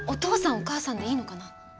「お義母さん」でいいのかな？